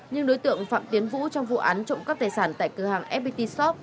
nhưng đối tượng phạm tiến vũ trong vụ án trộm cắp tài sản tại cửa hàng fpt shop